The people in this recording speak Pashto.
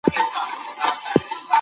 دود او رواج په سياست کې خنډ کېدای سي.